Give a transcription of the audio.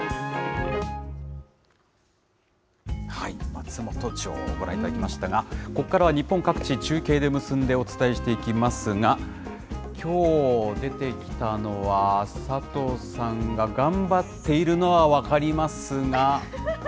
松本城をご覧いただきましたが、ここからは日本各地、中継で結んでお伝えしていきますが、きょう出てきたのは、佐藤さんが頑張っているのは分かりますが。